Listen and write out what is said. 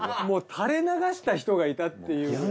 もう垂れ流した人がいたっていう。